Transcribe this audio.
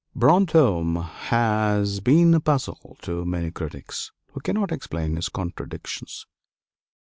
Brantôme has been a puzzle to many critics, who cannot explain his "contradictions."